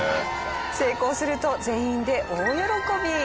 成功すると全員で大喜び。